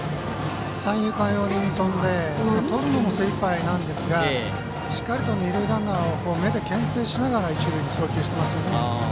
三遊間寄りに飛んでとるのも精いっぱいなんですがしっかりと二塁ランナーを目でけん制しながら一塁に送球してます。